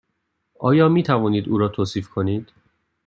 آیا می توانید او را توصیف کنید؟